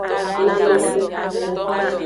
Lanmesen.